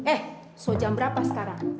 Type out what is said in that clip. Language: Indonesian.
eh so jam berapa sekarang